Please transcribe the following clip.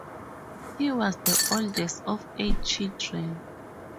He was the oldest of eight children.